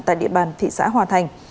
tại địa bàn thị xã hòa thành